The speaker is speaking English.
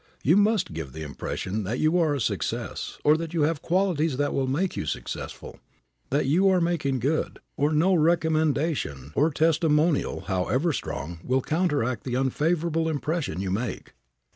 You must give the impression that you are a success, or that you have qualities that will make you successful, that you are making good, or no recommendation or testimonial however strong will counteract the unfavorable impression you make.